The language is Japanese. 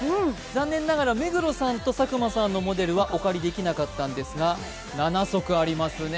残念ながら、目黒さんと佐久間さんのモデルはお借りできなかったんですが、７足ありすね。